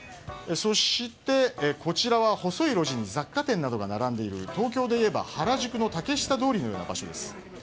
そして、こちらは細い路地に雑貨店などが並んでいる東京で言えば原宿の竹下通りのような場所です。